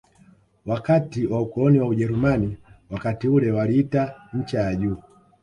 wakati wa ukoloni wa Ujerumani Wakati ule waliita ncha ya juu